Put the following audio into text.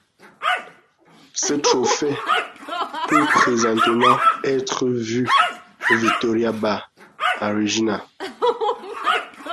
Ce trophée peut présentement être vu au Victoria Bar, à Regina.